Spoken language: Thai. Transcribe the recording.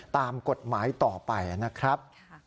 ตามกฎหมายต่อไปนะครับ